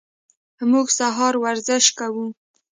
موږ سهار ورزش کوو.